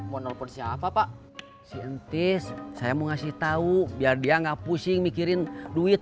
mau nelfon siapa pak si entis saya mau ngasih tahu biar dia nggak pusing mikirin duit